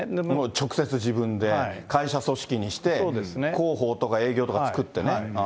直接、自分で会社組織にして、広報とか営業とか作ってね。